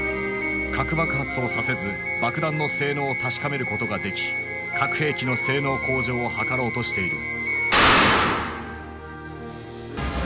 核爆発をさせず爆弾の性能を確かめることができ核兵器の性能向上を図ろうとしている。